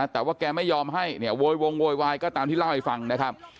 แต่ว่าแกไม่ยอมให้เนี่ยโวยวงโวยวายก็ตามที่เล่าให้ฟังนะครับ